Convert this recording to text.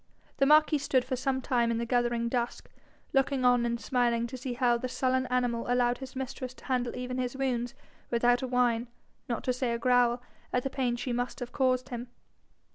The marquis stood for some time in the gathering dusk, looking on, and smiling to see how the sullen animal allowed his mistress to handle even his wounds without a whine, not to say a growl, at the pain she must have caused him.